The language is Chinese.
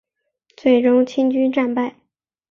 最终清军战败。